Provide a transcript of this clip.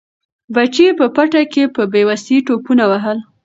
بچي یې په پټي کې په بې وسۍ ټوپونه وهل.